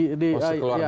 oh keluar draft ini